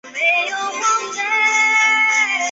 蝶须为菊科蝶须属的植物。